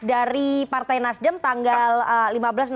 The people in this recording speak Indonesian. dari partai nasdem tanggal lima belas enam belas tujuh belas juni